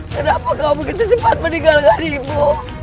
kenapa kau begitu cepat meninggalkan ibu